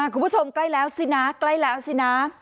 ใกล้แล้วสินะใกล้แล้วสินะ